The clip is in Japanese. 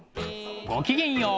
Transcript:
ごきげんよう！